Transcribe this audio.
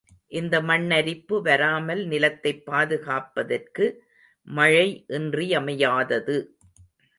இந்த மண்ணரிப்பு வராமல் நிலத்தைப் பாதுகாப்பதற்கு மழை இன்றியமையாதது.